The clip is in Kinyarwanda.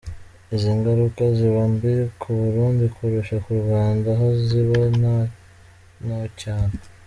Izi ngaruka ziba mbi ku Burundi kurusha ku Rwanda aho ziba nto cyane.